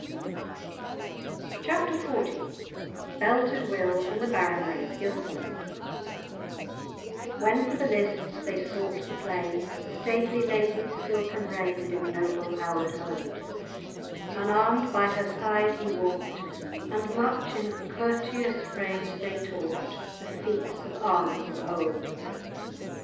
_"] *Chapter XL* *Belted Will and the Baronry of Gilsland* "When for the lists they sought the plain The stately lady's silken rein Did noble Howard hold; Unarmed by her side he walk'd And much, in courteous phrase they talk'd Of feats of arms of old.